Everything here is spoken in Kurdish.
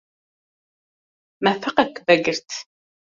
Me feqek vegirt.